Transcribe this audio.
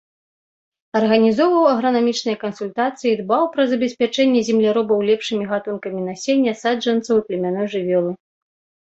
Арганізоўваў агранамічныя кансультацыі, дбаў пра забеспячэнне земляробаў лепшымі гатункамі насення, саджанцаў і племянной жывёлы.